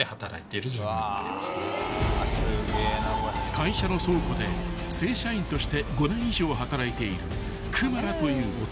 ［会社の倉庫で正社員として５年以上働いているクマラという男］